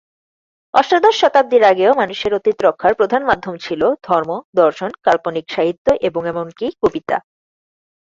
অষ্টাদশ শতাব্দীর আগেও মানুষের অতীত রক্ষার প্রধান মাধ্যম ছিল ধর্ম, দর্শন, কাল্পনিক সাহিত্য এবং এমনকি কবিতা।